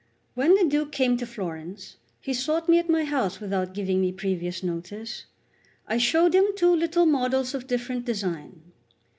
C WHEN the Duke came to Florence, he sought me at my house without giving me previous notice. I showed him two little models of different design.